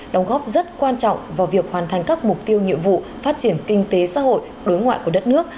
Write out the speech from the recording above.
đóng góp rất quan trọng vào việc hoàn thành các mục tiêu nhiệm vụ phát triển kinh tế xã hội đối ngoại của đất nước